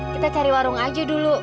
kita cari warung aja dulu